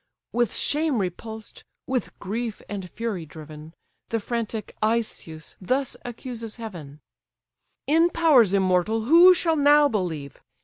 With shame repulsed, with grief and fury driven, The frantic Asius thus accuses Heaven: "In powers immortal who shall now believe?